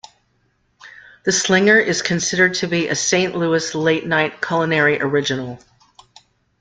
The slinger is considered to be a Saint Louis late-night culinary original.